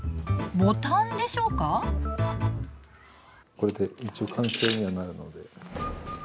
これで一応完成にはなるので。